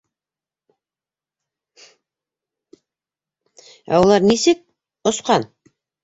Ә улар нисек... осҡан?